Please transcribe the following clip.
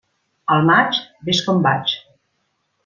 Al maig, vés com vaig.